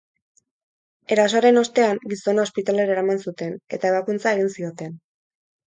Erasoaren ostean, gizona ospitalera eraman zuten eta ebakuntza egin zioten.